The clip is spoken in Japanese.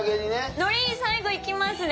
のり最後いきますね。